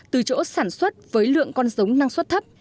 từ chỗ sản xuất với lượng con giống năng suất thấp